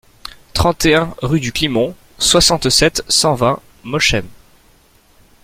trente et un rue du Climont, soixante-sept, cent vingt, Molsheim